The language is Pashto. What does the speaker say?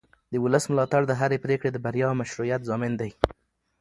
د ولس ملاتړ د هرې پرېکړې د بریا او مشروعیت ضامن دی